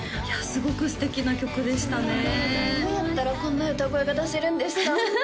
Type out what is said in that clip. すごく素敵な曲でしたねありがとうございますどうやったらこんな歌声が出せるんですか？